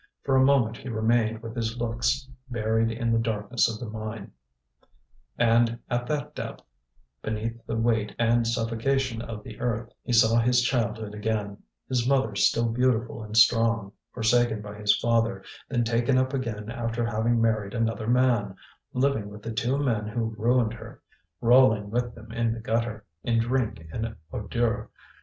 For a moment he remained with his looks buried in the darkness of the mine; and at that depth, beneath the weight and suffocation of the earth, he saw his childhood again, his mother still beautiful and strong, forsaken by his father, then taken up again after having married another man, living with the two men who ruined her, rolling with them in the gutter in drink and ordure.